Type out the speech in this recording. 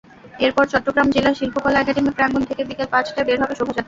এরপর চট্টগ্রাম জেলা শিল্পকলা একাডেমী প্রাঙ্গণ থেকে বিকেল পাঁচটায় বের হবে শোভাযাত্রা।